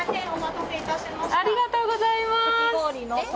ありがとうございます！